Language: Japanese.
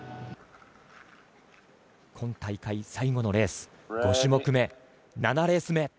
今大会最後のレース、５種目目、７レース目。